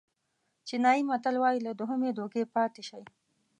چینایي متل وایي له دوهمې دوکې پاتې شئ.